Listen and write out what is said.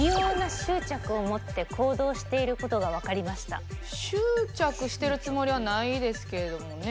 執着してるつもりはないですけれどもね。